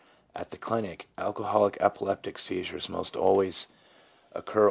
At the clinic alcoholic epileptic seizures almost always occur only 1 W.